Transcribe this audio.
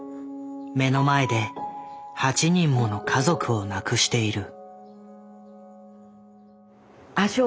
目の前で８人もの家族を亡くしている。